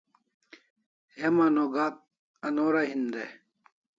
Heman o gak anora hin dai